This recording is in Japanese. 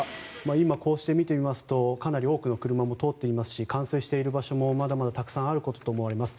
今こうして見てみますとかなり多くの車も通っていますし冠水している場所もまだまだたくさんあることと思われます。